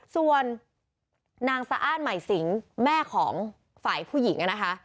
ส่วนนางสะอ้านใหม่สิงแม่ของฝ่ายผู้หญิงนะคะ